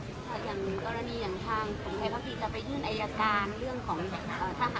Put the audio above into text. อย่างกรณีอย่างทาง